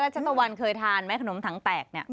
ชัตวรรณเคยทานไหมขนมถังแตกเนี่ย